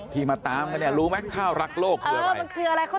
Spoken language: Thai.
พี่มาตามกันเนี่ยรู้มั้ยข้าวรักโลกคืออะไร